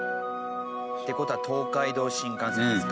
って事は東海道新幹線ですか。